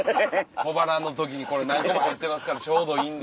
小腹の時に何個も入ってますからちょうどいいんですよ。